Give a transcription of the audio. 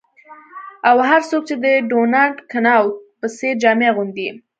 او هر څوک چې د ډونالډ کنوت په څیر جامې اغوندي